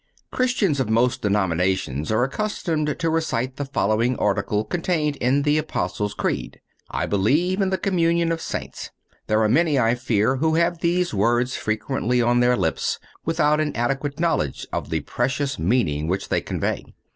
Christians of most denominations are accustomed to recite the following article contained in the Apostles' Creed: "I believe in the communion of Saints." There are many, I fear, who have these words frequently on their lips, without an adequate knowledge of the precious meaning which they convey.